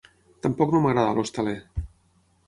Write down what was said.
Tampoc no m'agrada l'hostaler.